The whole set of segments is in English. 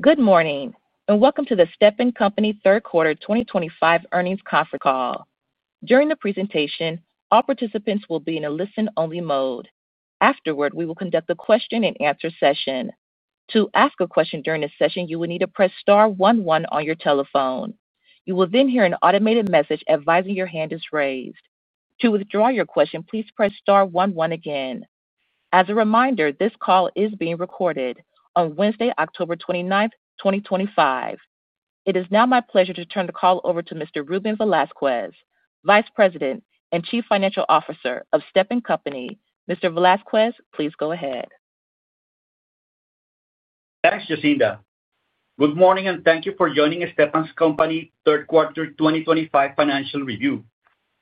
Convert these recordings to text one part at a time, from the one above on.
Good morning, and welcome to the Stepan Company Third Quarter 2025 Earnings Conference call. During the presentation, all participants will be in a listen-only mode. Afterward, we will conduct a question-and-answer session. To ask a question during this session, you will need to press star, one, one on your telephone. You will then hear an automated message advising your hand is raised. To withdraw your question, please press star, one, one again. As a reminder, this call is being recorded on Wednesday, October 29th, 2025. It is now my pleasure to turn the call over to Mr. Ruben Velasquez, Vice President and Chief Financial Officer of Stepan Company. Mr. Velasquez, please go ahead. Thanks, Jacinda. Good morning, and thank you for joining Stepan Company's Third Quarter 2025 Financial Review.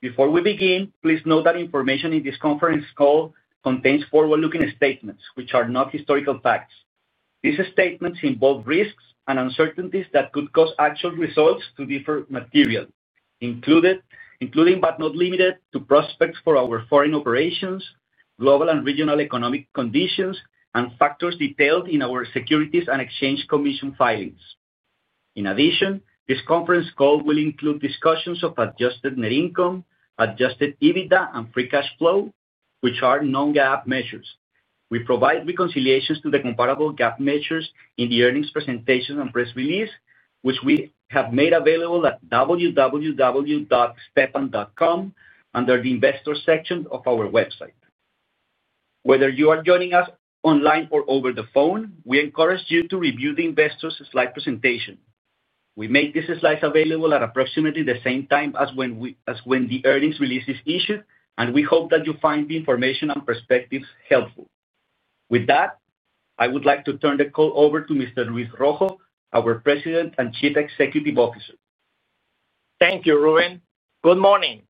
Before we begin, please note that information in this conference call contains forward-looking statements, which are not historical facts. These statements involve risks and uncertainties that could cause actual results to differ materially, including, but not limited to prospects for our foreign operations, global and regional economic conditions, and factors detailed in our Securities and Exchange Commission filings. In addition, this conference call will include discussions of adjusted net income, adjusted EBITDA, and free cash flow, which are non-GAAP measures. We provide reconciliations to the comparable GAAP measures in the earnings presentation and press release, which we have made available at www.stepan.com, under the investors section of our website. Whether you are joining us online or over the phone, we encourage you to review the investors' slide presentation. We make these slides available at approximately the same time as when the earnings release is issued, and we hope that you find the information and perspectives helpful. With that, I would like to turn the call over to Mr. Luis Rojo, our President and Chief Executive Officer. Thank you, Ruben. Good morning,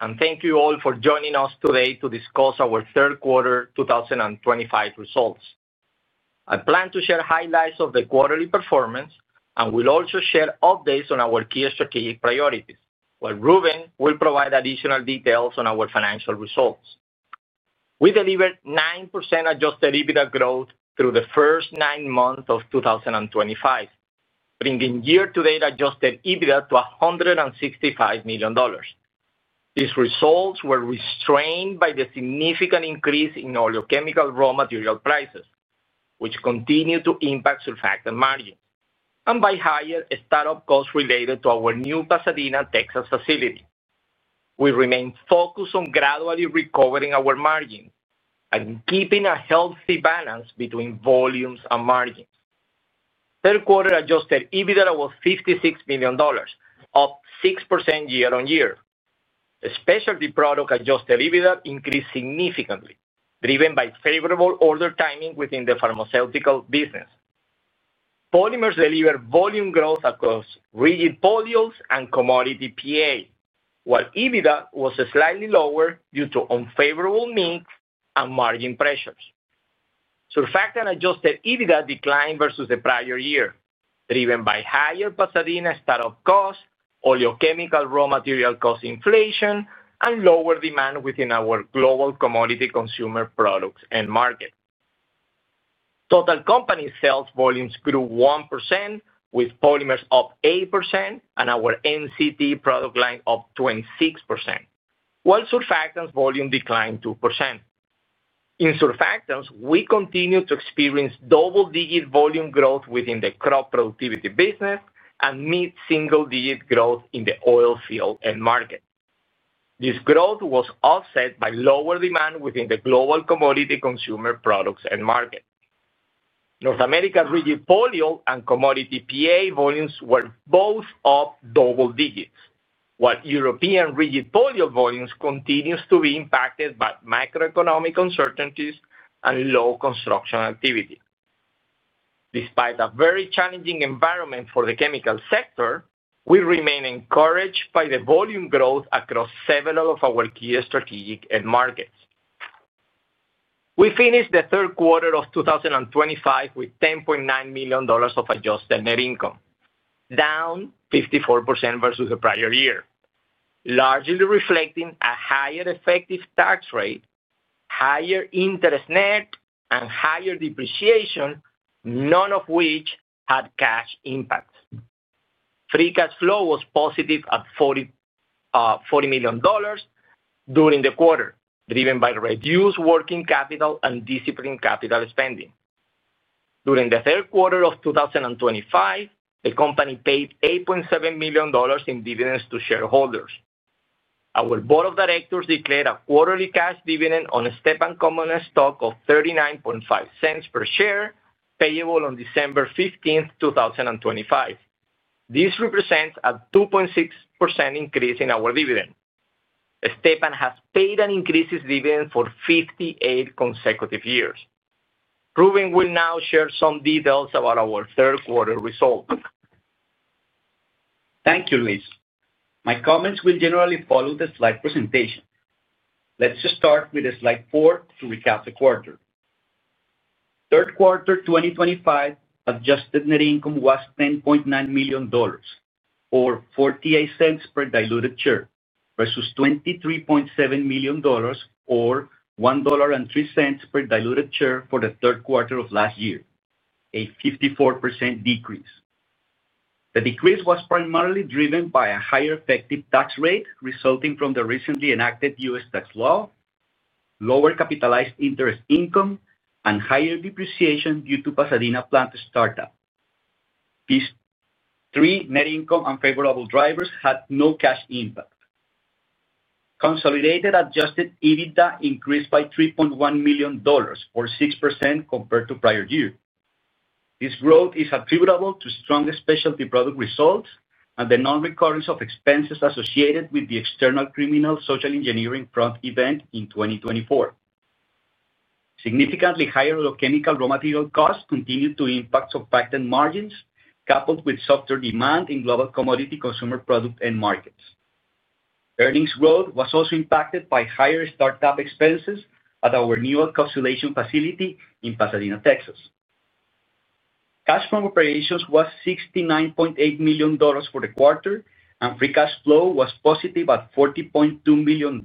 and thank you all for joining us today to discuss our third quarter 2025 results. I plan to share highlights of the quarterly performance, and will also share updates on our key strategic priorities, while Ruben will provide additional details on our financial results. We delivered 9% adjusted EBITDA growth through the first nine months of 2025, bringing year-to-date adjusted EBITDA to $165 million. These results were restrained by the significant increase in oil chemical raw material prices, which continue to impact surfactant margins, and by higher startup costs related to our new Pasadena, Texas facility. We remain focused on gradually recovering our margins, and keeping a healthy balance between volumes and margins. Third quarter adjusted EBITDA was $56 million, up 6% year-on-year. Specialty products adjusted EBITDA increased significantly, driven by favorable order timing within the pharmaceutical business. Polymers delivered volume growth across rigid polyols and commodity PA, while EBITDA was slightly lower due to unfavorable mix and margin pressures. Surfactant adjusted EBITDA declined versus the prior year, driven by higher Pasadena startup costs, oil chemical, raw material cost inflation, and lower demand within our global commodity consumer products and markets. Total company sales volumes grew 1%, with polymers up 8% and our MCT product line up 26%, while surfactants volume declined 2%. In surfactants, we continue to experience double-digit volume growth within the crop productivity business, and mid-single-digit growth in the oil field end market. This growth was offset by lower demand within the global commodity consumer products end market. North America rigid polyol and commodity PA volumes were both up double digits, while European rigid polyol volumes continue to be impacted by macroeconomic uncertainties and low construction activity. Despite a very challenging environment for the chemical sector, we remain encouraged by the volume growth across several of our key strategic end markets. We finished the third quarter of 2025 with $10.9 million of adjusted net income, down 54% versus the prior year, largely reflecting a higher effective tax rate, higher net interest, and higher depreciation, none of which had cash impacts. Free cash flow was positive at $40 million during the quarter, driven by reduced working capital and disciplined capital spending. During the third quarter of 2025, the company paid $8.7 million in dividends to shareholders. Our Board of Directors declared a quarterly cash dividend on Stepan Company stock of $0.395 per share, payable on December 15th, 2025. This represents a 2.6% increase in our dividend. Stepan has paid an increase in dividends for 58 consecutive years. Ruben will now share some details about our third-quarter results. Thank you, Luis. My comments will generally follow the slide presentation. Let's start with slide four to recap the quarter. Third quarter 2025 adjusted net income was $10.9 million or $0.48 per diluted share versus $23.7 million or $1.03 per diluted share for the third quarter of last year, a 54% decrease. The decrease was primarily driven by a higher effective tax rate resulting from the recently enacted U.S. tax law, lower capitalized interest income and higher depreciation due to Pasadena plant startup. These three net income unfavorable drivers had no cash impact. Consolidated adjusted EBITDA increased by $3.1 million or 6% compared to prior year. This growth is attributable to strong specialty products results, and the non-recurrence of expenses associated with the external criminal social engineering front event in 2024. Significantly higher oil chemical raw material costs continue to impact surfactant margins, coupled with softer demand in global commodity consumer products and markets. Earnings growth was also impacted by higher startup expenses at our new alkoxylation facility in Pasadena, Texas. Cash from operations was $69.8 million for the quarter, and free cash flow was positive at $40.2 million,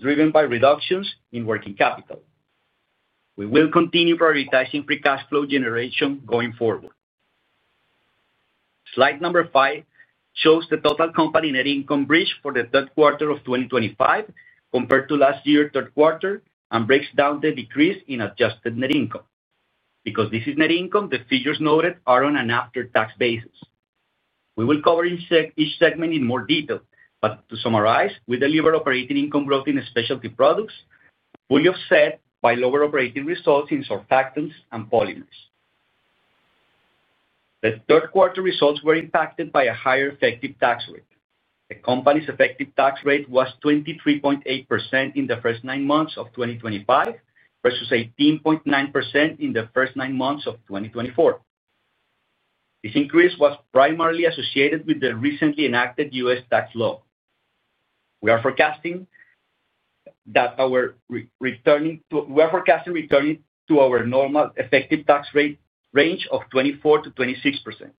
driven by reductions in working capital. We will continue prioritizing free cash flow generation going forward. Slide number five shows the total company net income bridge for the third quarter of 2025, compared to last year's third quarter and breaks down the decrease in adjusted net income. This is net income, the figures noted are on an after-tax basis. We will cover each segment in more detail, but to summarize, we deliver operating income growth in specialty products, fully offset by lower operating results in surfactants and polymers. The third quarter results were impacted by a higher effective tax rate. The company's effective tax rate was 23.8% in the first nine months of 2025 versus 18.9% in the first nine months of 2024. This increase was primarily associated with the recently enacted U.S. tax law. We are forecasting returning to our normal effective tax rate range of 24%-26%.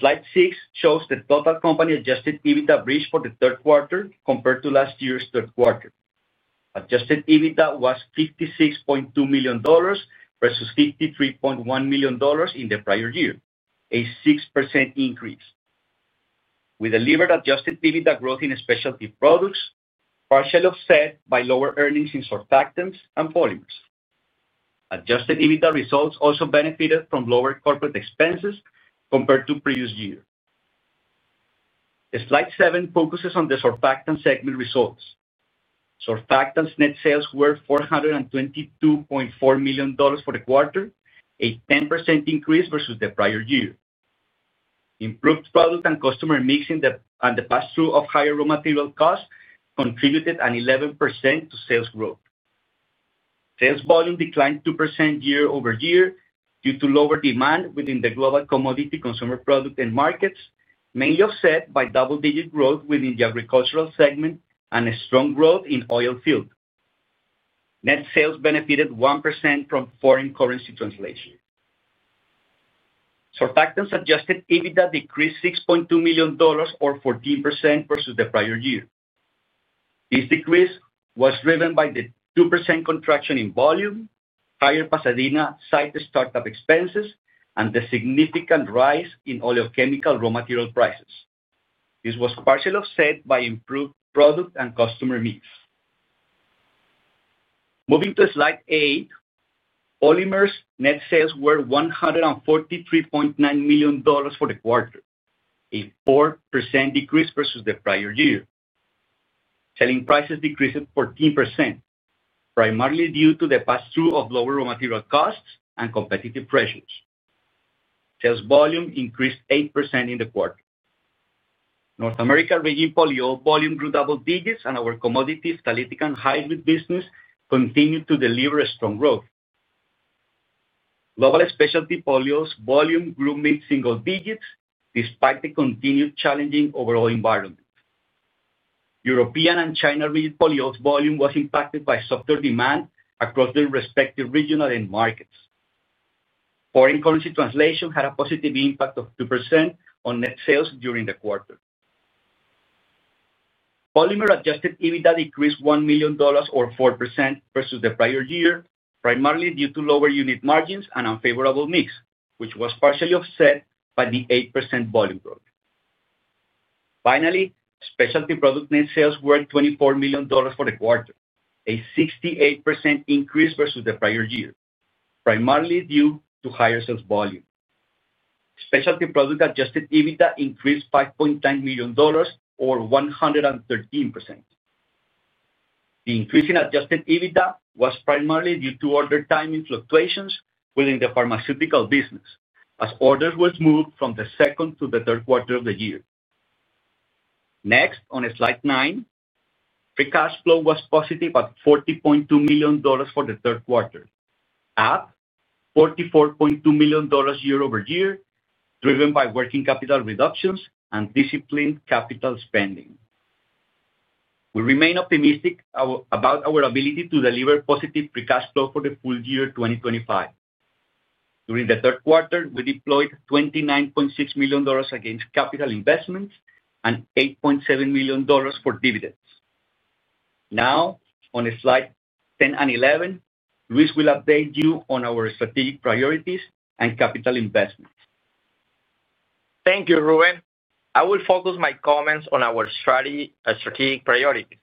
Slide six shows the total company adjusted EBITDA bridge for the third quarter compared to last year's third quarter. Adjusted EBITDA was $56.2 million versus $53.1 million in the prior year, a 6% increase. We delivered adjusted EBITDA growth in specialty products, partially offset by lower earnings in surfactants and. Adjusted EBITDA results also benefited from lower corporate expenses compared to the previous year. Slide seven focuses on the surfactants segment results. Surfactants net sales were $422.4 million for the quarter, a 10% increase versus the prior year. Improved product and customer mix and the pass-through of higher raw material costs contributed 11% to sales growth. Sales volume declined 2% year-over-year, due to lower demand within the global commodity consumer products and markets, mainly offset by double-digit growth within the agricultural segment and strong growth in the oil field. Net sales benefited 1% from foreign currency translation. Surfactants adjusted EBITDA decreased $6.2 million or 14% versus the prior year. This decrease was driven by the 2% contraction in volume, higher Pasadena site startup expenses, and the significant rise in oil or chemical raw material prices. This was partially offset by improved product and customer mix. Moving to slide eight, polymers net sales were $143.9 million for the quarter, a 4% decrease versus the prior year. Selling prices decreased at 14%, primarily due to the pass-through of lower raw material costs and competitive pressures. Sales volume increased 8% in the quarter. North America rigid polyol volume grew double digits, and our commodity hybrid business continued to deliver strong growth. Global specialty polyols volume grew mid-single digits despite the continued challenging overall environment. European and China rigid polyols volume was impacted by softer demand across their respective regional end markets. Foreign currency translation had a positive impact of 2% on net sales during the quarter. Polymer adjusted EBITDA decreased $1 million or 4% versus the prior year, primarily due to lower unit margins and unfavorable mix, which was partially offset by the 8% volume growth. Finally, specialty products net sales were $24 million for the quarter, a 68% increase versus the prior year, primarily due to higher sales volume. Specialty products adjusted EBITDA increased $5.9 million or 113%. The increase in adjusted EBITDA was primarily due to order timing fluctuations within the pharmaceutical business, as orders were moved from the second to the third quarter of the year. Next, on slide nine, free cash flow was positive at $40.2 million for the third quarter, up $44.2 million year-over-year, driven by working capital reductions and disciplined capital spending. We remain optimistic about our ability to deliver positive free cash flow for the full year 2025. During the third quarter, we deployed $29.6 million against capital investments, and $8.7 million for dividends. Now, on slides 10 and 11, Luis will update you on our strategic priorities and capital investments. Thank you, Ruben. I will focus my comments on our strategic priorities.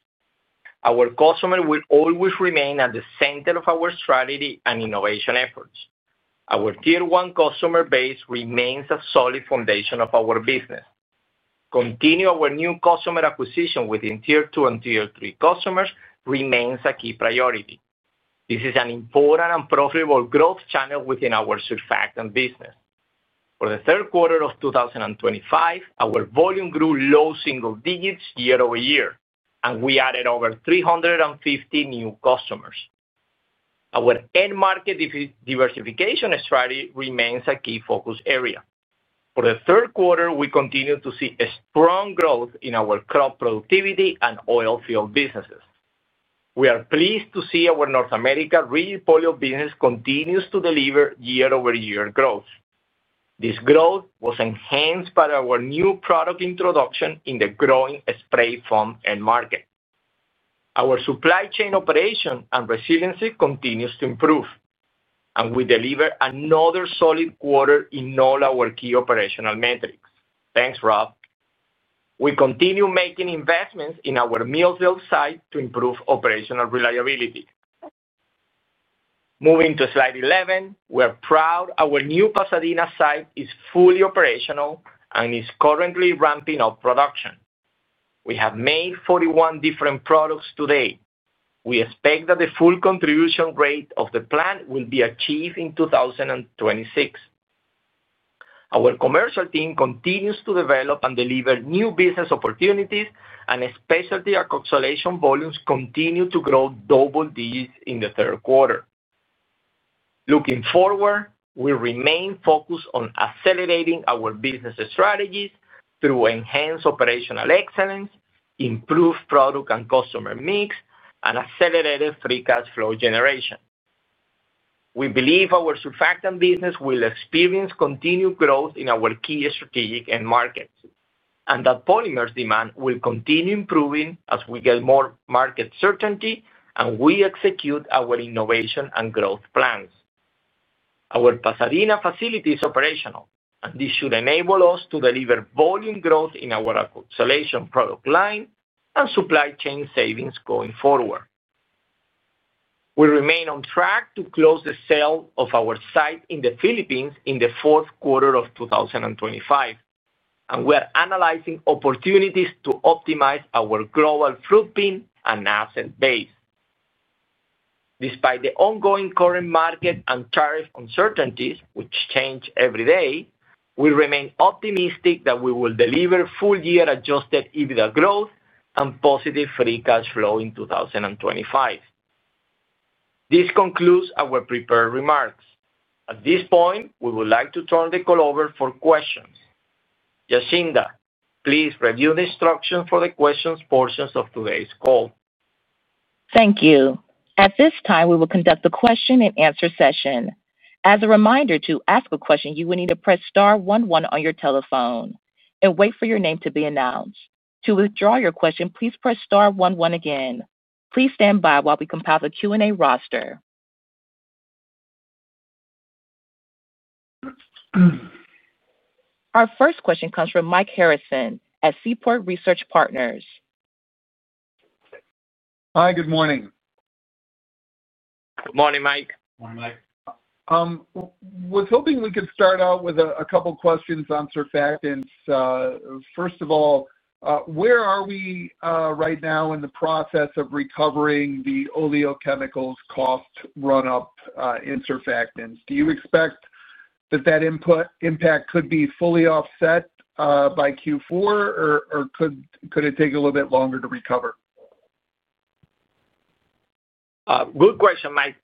Our customers will always remain at the center of our strategy and innovation efforts. Our tier one customer base remains a solid foundation of our business. Continuing our new customer acquisition within tier two and tier three customers remains a key priority. This is an important and profitable growth channel within our surfactant business. For the third quarter of 2025, our volume grew low single digits year-over-year and we added over 350 new customers. Our end market diversification strategy remains a key focus area. For the third quarter, we continue to see strong growth in our crop productivity and oil field businesses. We are pleased to see our North America rigid polyol business continues to deliver year-over-year growth. This growth was enhanced by our new product introduction in the growing spray farm end market. Our supply chain operation and resiliency continue to improve, and we deliver another solid quarter in all our key operational metrics. Thanks, Rob. We continue making investments in our mill sales site to improve operational reliability. Moving to slide 11, we're proud our new Pasadena site is fully operational and is currently ramping up production. We have made 41 different products to date. We expect that the full contribution rate of the plant will be achieved in 2026. Our commercial team continues to develop and deliver new business opportunities, and the specialty accumulation volumes continue to grow double digits in the third quarter. Looking forward, we remain focused on accelerating our business strategies through enhanced operational excellence, improved product and customer mix, and accelerated free cash flow generation. We believe our surfactant business will experience continued growth in our key strategic end markets, and that polymers demand will continue improving as we get more market certainty and we execute our innovation and growth plans. Our Pasadena facility is operational, and this should enable us to deliver volume growth in our alkoxylation product line and supply chain savings going forward. We remain on track to close the sale of our site in the Philippines in the fourth quarter of 2025, and we are analyzing opportunities to optimize our global footprint and asset base. Despite the ongoing current market and tariff uncertainties, which change every day, we remain optimistic that we will deliver full-year adjusted EBITDA growth and positive free cash flow in 2025. This concludes our prepared remarks. At this point, we would like to turn the call over for questions. Jacinda, please review the instructions for the questions portions of today's call. Thank you. At this time, we will conduct the question-and-answer session. As a reminder, to ask a question, you will need to press star, one, one on your telephone and wait for your name to be announced. To withdraw your question, please press star, one, one again. Please stand by while we compile the Q&A roster. Our first question comes from Mike Harrison at Seaport Research Partners. Hi, good morning. Good morning, Mike. Morning, Mike. Good morning, Mike. I was hoping we could start out with a couple of questions on surfactants. First of all, where are we right now in the process of recovering the oil chemicals cost run-up in surfactants? Do you expect that that impact could be fully offset by Q4, or could it take a little bit longer to recover? Good question, Mike.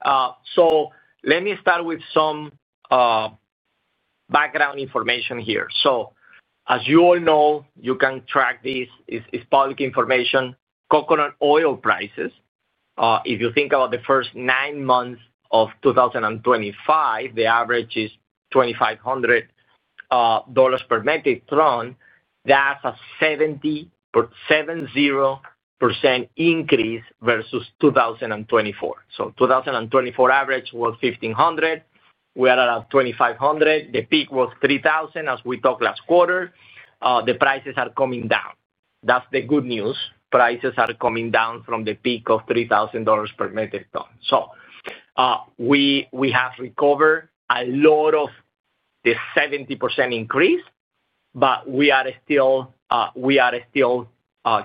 Let me start with some background information here. As you all know, you can track this. It's public information. Coconut oil prices, if you think about the first nine months of 2025, the average is $2,500 per metric ton. That's a 70% increase versus 2024. The 2024 average was $1,500. We are at $2,500. The peak was $3,000, as we talked last quarter. The prices are coming down. That's tood nhe gews. Prices are coming down from the peak of $3,000 per metric ton. We have recovered a lot of the 70% increase, but we are still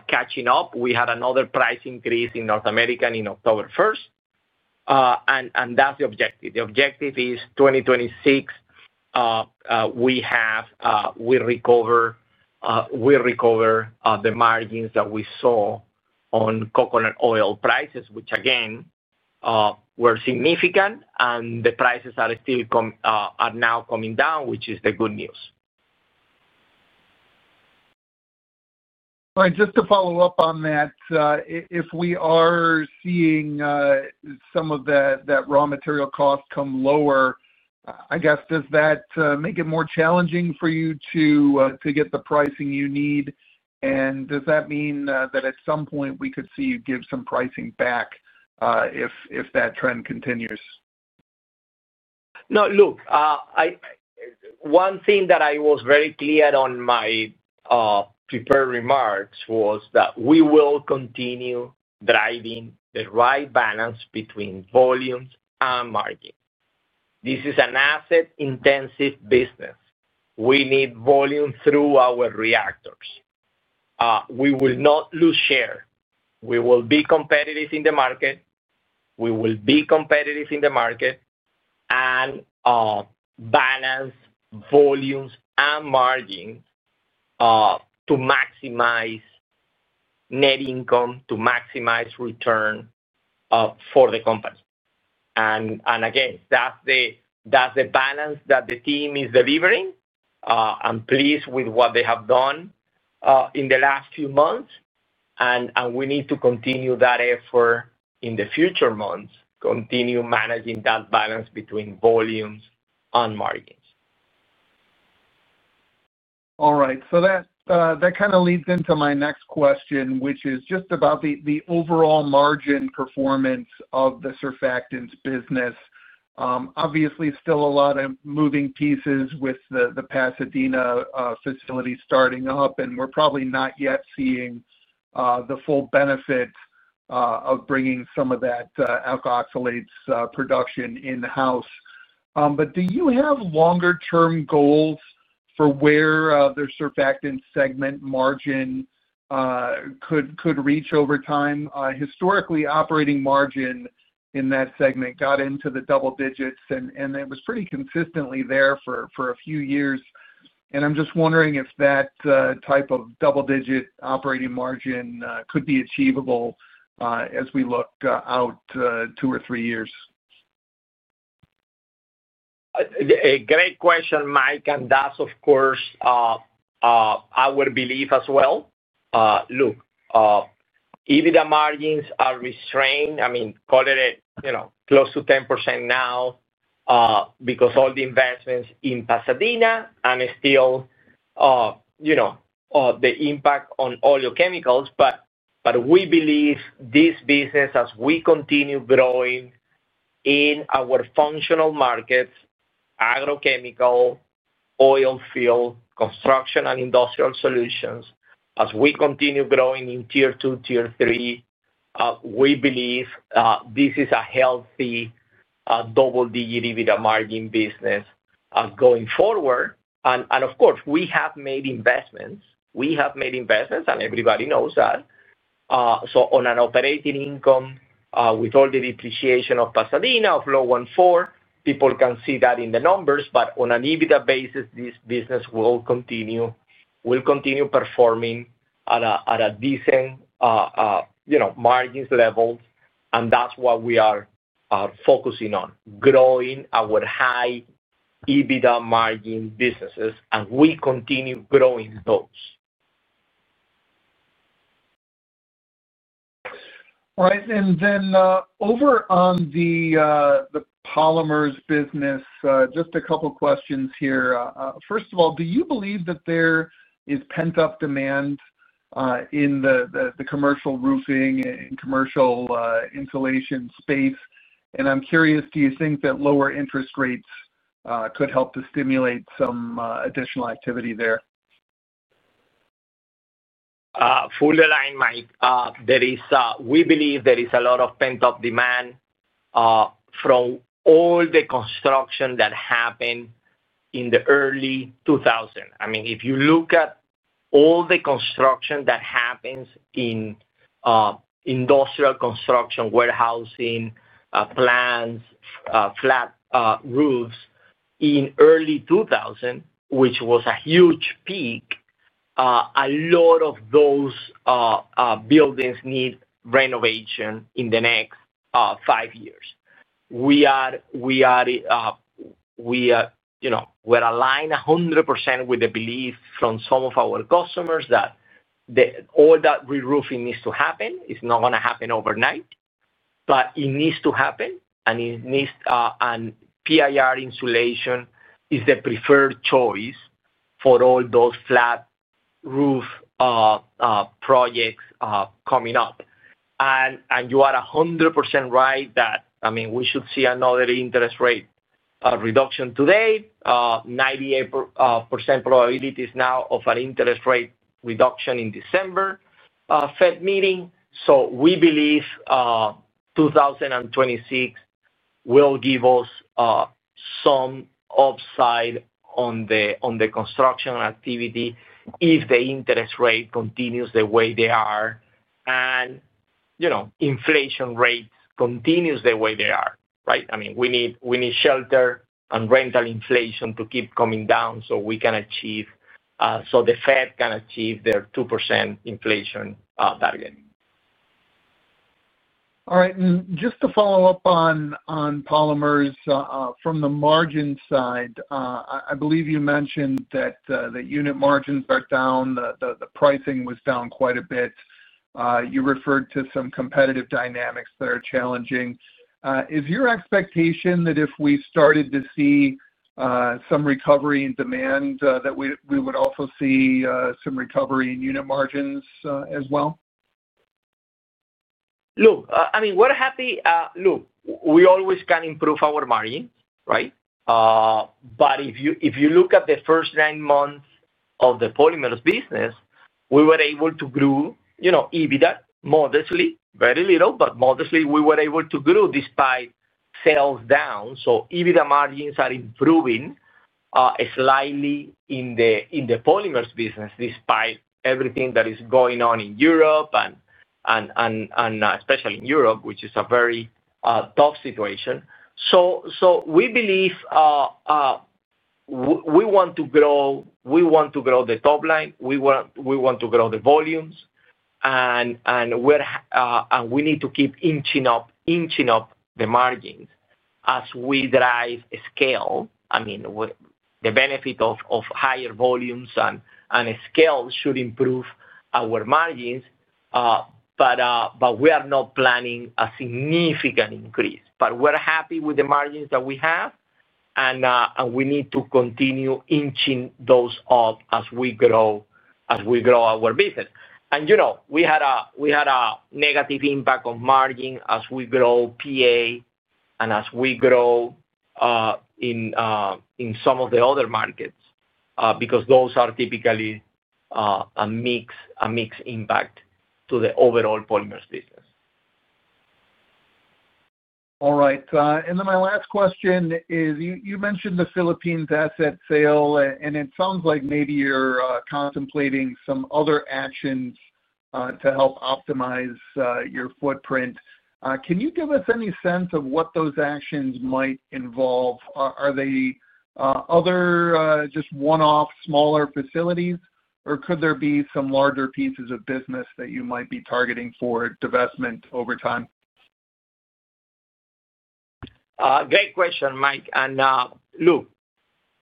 catching up. We had another price increase in North America on October 1st. The objective is 2026, we recover the margins that we saw on coconut oil prices, which again were significant and the prices are now coming down, which is the good news. All right, just to follow up on that, if we are seeing some of that raw material costs come lower, does that make it more challenging for you to get the pricing you need? Does that mean that at some point we could see you give some pricing back if that trend continues? No. Look, one thing that I was very clear on in my prepared remarks, was that we will continue driving the right balance between volumes and margins. This is an asset-intensive business. We need volume through our reactors. We will not lose share. We will be competitive in the market, and balance volumes and margins to maximize net income, to maximize return for the company. Again, that's the balance that the team is delivering. I'm pleased with what they have done in the last few months, and we need to continue that effort in the future months, continue managing that balance between volumes and margins. All right, that kind of leads into my next question, which is just about the overall margin performance of the surfactants business. Obviously, still a lot of moving pieces with the Pasadena facility starting up, and we're probably not yet seeing the full benefit of bringing some of that alkoxylates production in-house. Do you have longer-term goals for where the surfactants segment margin could reach over time? Historically, operating margin in that segment got into the double digits, and it was pretty consistently there for a few years. I'm just wondering if that type of double-digit operating margin could be achievable as we look out two or three years. Great question, Mike, and that's of course our belief as well. Look, EBITDA margins are restrained. I mean, call it close to 10% now, because of all the investments in Pasadena and still the impact on oil chemicals. We believe this business, as we continue growing in our functional markets, agrochemical, oil field, construction, and industrial solutions, as we continue growing in tier two, tier three, we believe this is a healthy double-digit EBITDA margin business going forward. Of course, we have made investments, and everybody knows that. On an operating income, with all the depreciation of Pasadena of low one four, people can see that in the numbers. On an EBITDA basis, this business will continue performing at a decent margin level, and that's what we are focusing on, growing our high EBITDA margin businesses and we continue growing those. All right, and then over on the polymers business, just a couple of questions here. First of all, do you believe that there is pent-up demand in the commercial roofing and commercial insulation space? I'm curious, do you think that lower interest rates could help to stimulate some additional activity there? Fully aligned, Mike. We believe there is a lot of pent-up demand from all the construction that happened in the early 2000s. If you look at all the construction that happens in industrial construction, warehousing, plants, flat roofs, in early-2000, which was huge peak, a lot of those buildings need renovation in the next five years. We are aligned 100% with the belief from some of our customers that all that reroofing needs to happen. It is not going to happen overnight, but it needs to happen. PIR insulation is the preferred choice for all those flat roof projects coming up. You are 100% right that we should see another interest rate reduction today. 98% probability now of our interest rate reduction in the December Fed meeting. We believe 2026 will give us some upside on the construction activity, if the interest rate continues the way they are and inflation rates continue the way they are, right? We need shelter and rental inflation to keep coming down so the Fed can achieve their 2% inflation target. All right, just to follow up on polymers from the margin side, I believe you mentioned that the unit margins are down. The pricing was down quite a bit. You referred to some competitive dynamics that are challenging. Is your expectation that if we started to see some recovery in demand, that we would also see some recovery in unit margins as well? Look, I mean, we're happy. Look, we always can improve our margins, right? If you look at the first nine months of the polymers business, we were able to grow EBITDA modestly, very little, but modestly, we were able to grow despite sales down. EBITDA margins are improving slightly in the polymers business, despite everything that is going on in Europe and especially in Europe, which is a very tough situation. We believe we want to grow the top line. We want to grow the volumes, and we need to keep inching up the margins as we drive scale. I mean, the benefit of higher volumes and scale should improve our margins, but we are not planning a significant increase. We're happy with the margins that we have, and we need to continue inching those up as we grow our business. You know, we had a negative impact on margin as we grow commodity PA and as we grow in some of the other markets, because those are typically a mixed impact to the overall polymers business. All right, and then my last question is you, mentioned the Philippines asset sale, and it sounds like maybe you're contemplating some other actions to help optimize your footprint. Can you give us any sense of what those actions might involve? Are they other just one-off smaller facilities, or could there be some larger pieces of business that you might be targeting for divestment over time? Great question, Mike. Look,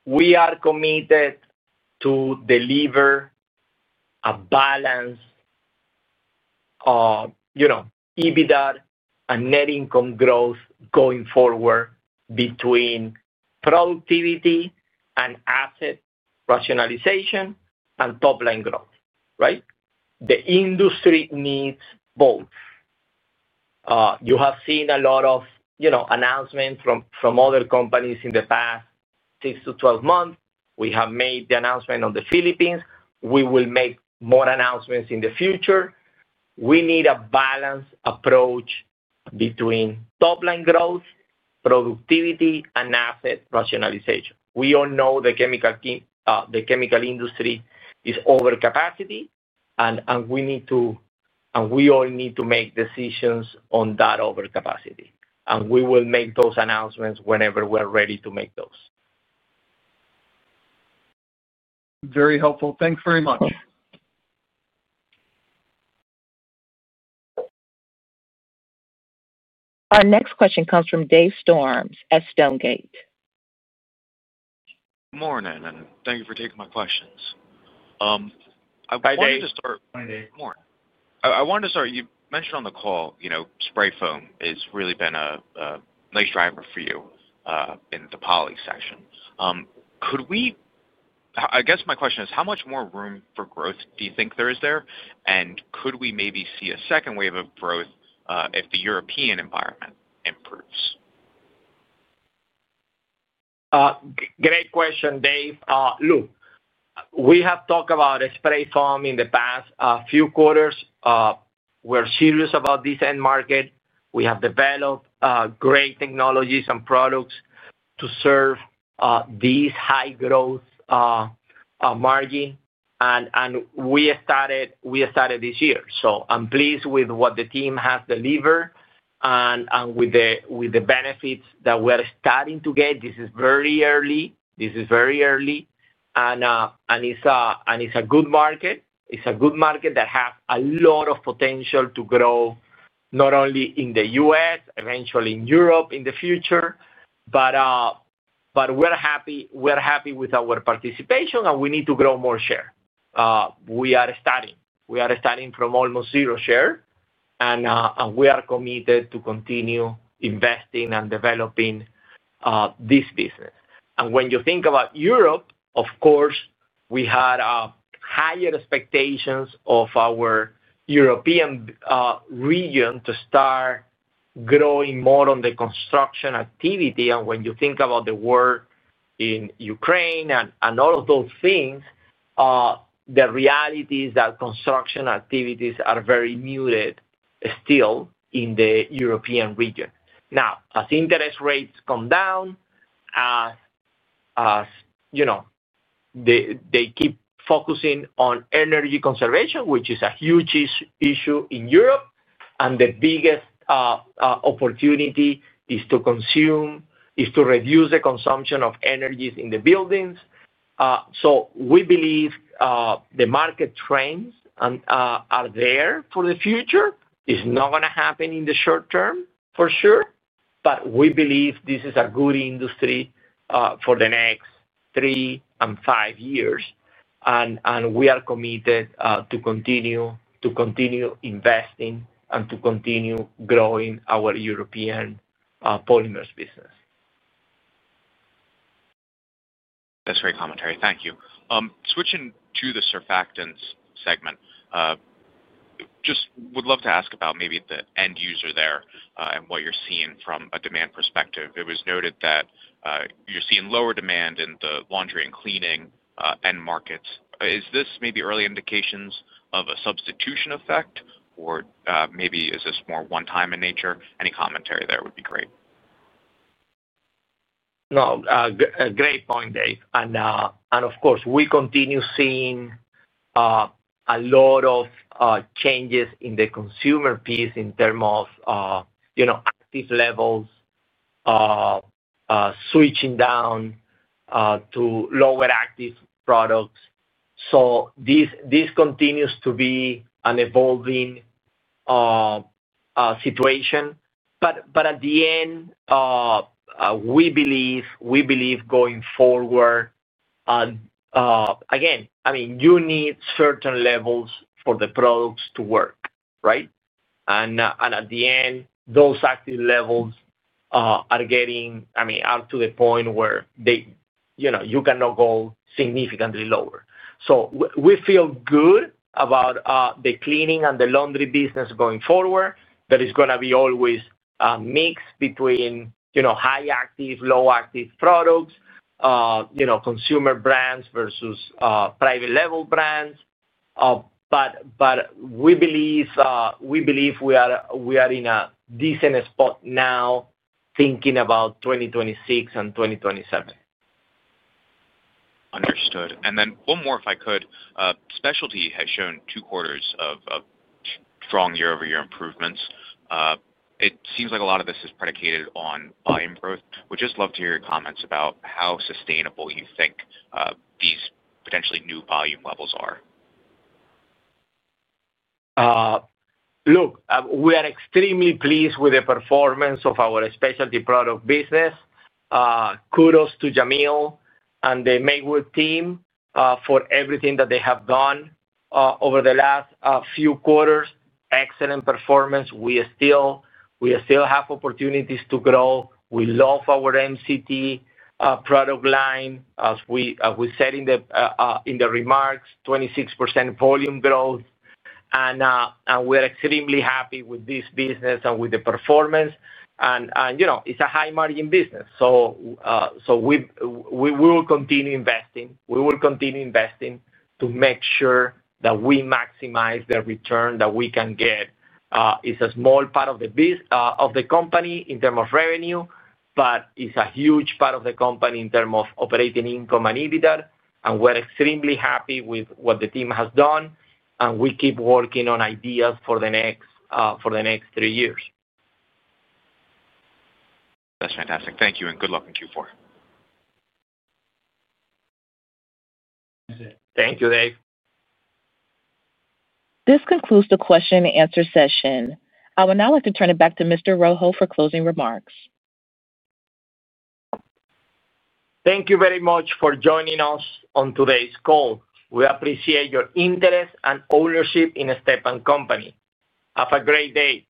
we are committed to deliver a balanced EBITDA and net income growth going forward, between productivity and asset rationalization and top-line growth, right? The industry needs both. You have seen a lot of announcements from other companies in the past six to 12 months. We have made the announcement on the Philippines. We will make more announcements in the future. We need a balanced approach between top-line growth, productivity, and asset rationalization. We all know the chemical industry is overcapacity, and we all need to make decisions on that overcapacity. We will make those announcements whenever we're ready to make those. Very helpful. Thanks very much. Our next question comes from Dave Storms at Stonegate. Morning, and thank you for taking my questions. Hi, Dave.. Morning. Morning. I wanted to start, you mentioned on the call, spray foam has really been a nice driver for you in the poly section. I guess my question is, how much more room for growth do you think there is there? Could we maybe see a second wave of growth if the European environment improves? Great question, Dave. Look, we have talked about spray foam in the past few quarters. We're serious about this end market. We have developed great technologies and products to serve this high growth margin, and we started this year. I'm pleased with what the team has delivered, and with the benefits that we are starting to get. This is very early, and it's a good market. It's a good market that has a lot of potential to grow not only in the U.S., eventually in Europe in the future. We're happy with our participation, and we need to grow more share. We are starting from almost zero share, and we are committed to continue investing and developing this business. When you think about Europe, of course we had higher expectations of our European region to start growing more on the construction activity. When you think about the war in Ukraine and all of those things, the reality is that construction activities are very muted still in the European region. Now, as interest rates come down, they keep focusing on energy conservation, which is a huge issue in Europe. The biggest opportunity is to reduce the consumption of energies in the buildings. We believe the market trends are there for the future. It's not going to happen in the short term for sure, but we believe this is a good industry for the next three and five years. We are committed to continue investing, and to continue growing our European polymers business. That's great commentary. Thank you. Switching to the surfactants segment, just would love to ask about maybe the end user there and what you're seeing from a demand perspective. It was noted that you're seeing lower demand in the laundry and cleaning end markets. Is this maybe early indications of a substitution effect, or maybe is this more one-time in nature? Any commentary there would be great. Great point, Dave. Of course, we continue seeing a lot of changes in the consumer piece in terms of active levels switching down to lower active products. This continues to be an evolving situation. At the end, we believe going forward, again you need certain levels for the products to work, right? At the end, those active levels are getting up to the point where you cannot go significantly lower. We feel good about the cleaning and the laundry business going forward. There is going to be always a mix between high active, low active products, consumer brands versus private label brands. We believe we are in a decent spot now, thinking about 2026 and 2027. Understood. One more, if I could, specialty has shown two quarters of strong year-over-year improvements. It seems like a lot of this is predicated on volume growth. Would just love to hear your comments about how sustainable you think these potentially new volume levels are. Look, we are extremely pleased with the performance of our specialty products business. Kudos to Jamil and the Maywood team for everything that they have done over the last few quarters. Excellent performance. We still have opportunities to grow. We love our MCT product line. As we said in the remarks, 26% volume growth. We are extremely happy with this business and with the performance. You know, it's a high margin business. We will continue investing to make sure that we maximize the return that we can get. It's a small part of the company in terms of revenue, but it's a huge part of the company in terms of operating income and EBITDA. We are extremely happy with what the team has done, and we keep working on ideas for the next three years. That's fantastic. Thank you, and good luck in Q4. Thank you, Dave. This concludes the question-and-answer session. I would now like to turn it back to Mr. Rojo for closing remarks. Thank you very much for joining us on today's call. We appreciate your interest and ownership in the Stepan Company. Have a great day.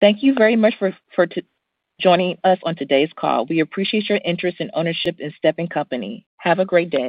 Thank you very much for joining us on today's call. We appreciate your interest and ownership in Stepan Company. Have a great day.